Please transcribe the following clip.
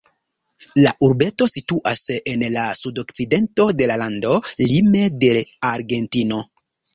La urbeto situas en la sudokcidento de la lando, lime de Argentino.